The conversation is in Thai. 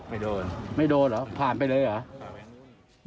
ไม่โดนไม่โดนเหรอผ่านไปเลยเหรอ